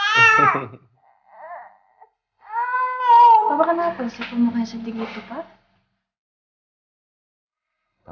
papa kenapa sih kamu kayak sedih gitu pak